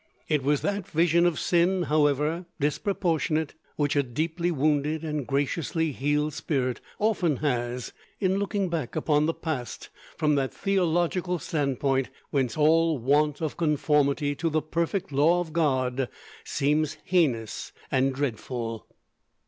It was that vision of sin, however disproportionate, which a deeply wounded and graciously healed spirit often has, in looking back upon the past from that theological standpoint whence all want of conformity to the perfect law of God seems heinous and dreadful.